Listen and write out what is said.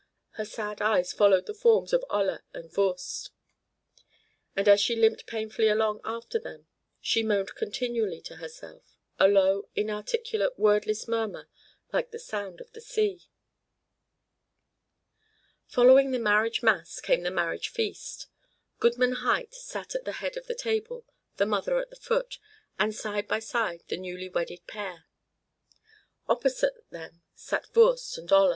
Her sad eyes followed the forms of Olla and Voorst, and as she limped painfully along after them, she moaned continually to herself, a low, inarticulate, wordless murmur like the sound of the sea. Following the marriage mass came the marriage feast. Goodman Huyt sat at the head of the table, the mother at the foot, and, side by side, the newly wedded pair. Opposite them sat Voorst and Olla.